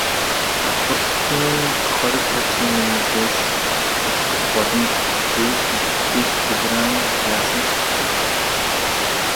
Олборлолтыг хориг тавьсан үеийнхээс өсгөх боломж өгөхгүй нөхцөлийг Тегеран яасан ч зөвшөөрөхгүй.